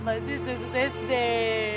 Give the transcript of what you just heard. masih sukses deh